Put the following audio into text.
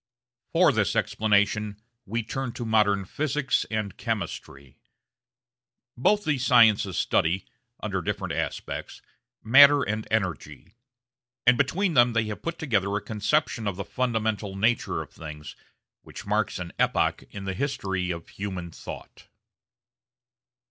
For this explanation we turn to modern Physics and Chemistry. Both these sciences study, under different aspects, matter and energy; and between them they have put together a conception of the fundamental nature of things which marks an epoch in the history of human thought.